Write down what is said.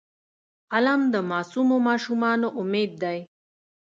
قلم د معصومو ماشومانو امید دی